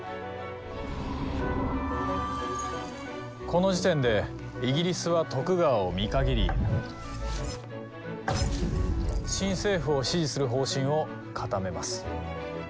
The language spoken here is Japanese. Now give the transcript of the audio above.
この時点でイギリスは徳川を見限り新政府を支持する方針を固めます。